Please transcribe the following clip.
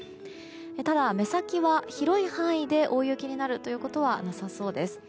ただ、目先は広い範囲で大雪になることはなさそうです。